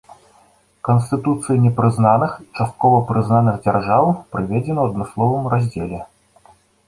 Канстытуцыі непрызнаных і часткова прызнаных дзяржаў прыведзены ў адмысловым раздзеле.